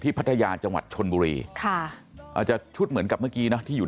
พัทยาจังหวัดชนบุรีค่ะอาจจะชุดเหมือนกับเมื่อกี้เนอะที่อยู่